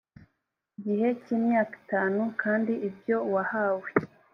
gihe cy imyaka itanu kandi ibyo wahawe